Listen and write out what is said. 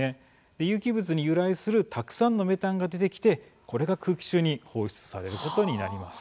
有機物に由来するたくさんのメタンが出てきて、これが空気中に放出されることになります。